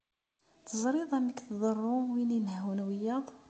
Teẓriḍ amek tḍerru win inehhun wiyaḍ?